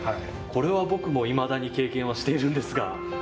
これは僕もいまだに経験はしているんですが。